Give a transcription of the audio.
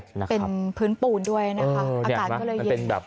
เป็นผืนปูนด้วยอาการก็เลยเย็น